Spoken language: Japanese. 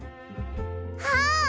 あっ！